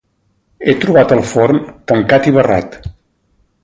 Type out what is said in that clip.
He trobat el forn tancat i barrat.